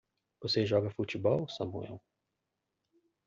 Você joga futebol, Samuel?